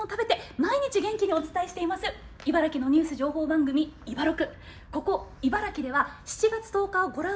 茨城のニュース情報番組「いば６」。